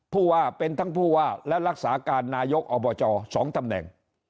ผู้ว่าเป็นทั้งผู้ว่าและรักษาการนายกอบจ๒ตำแหน่ง